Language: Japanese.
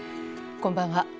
こんばんは。